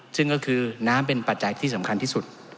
ซึ่งก็คือน้ำเป็นปัจจัยที่สำคัญที่สุด